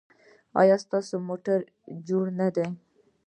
ایا ستاسو موټر جوړ نه دی؟